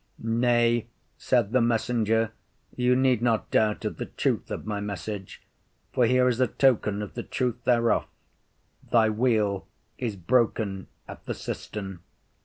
Nay, said the messenger, you need not doubt of the truth of my message, for here is a token of the truth thereof, "Thy wheel is broken at the cistern."